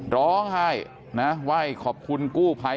ร้องให้นะว่าขอบคุณกู้ไภ